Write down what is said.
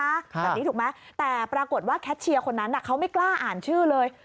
แบบนี้ถูกไหมแต่ปรากฏว่าแคทเชียร์คนนั้นเขาไม่กล้าอ่านชื่อเลย